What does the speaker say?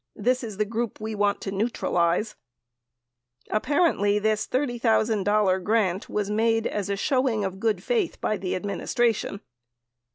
This is the group we want to neutralize. 3 Apparently, this $30,000 grant was made as a showing of good faith by the administration.